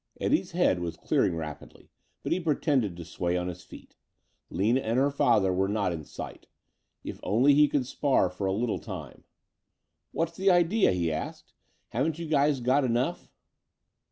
Eddie's head was clearing rapidly, but he pretended to sway on his feet. Lina and her father were not in sight. If only he could spar for a little time. "What's the idea?" he asked. "Haven't you guys got enough?"